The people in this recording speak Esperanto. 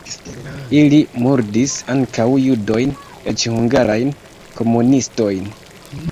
Ili murdis ankaŭ judojn, eĉ hungarajn komunistojn.